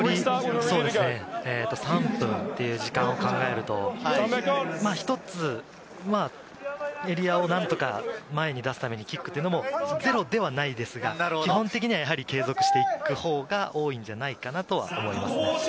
残り３分という時間を考えると、一つエリアを何とか前に出すためにキックというのもゼロではないですが、基本的にはやはり継続していくほうが多いんじゃないかなと思います。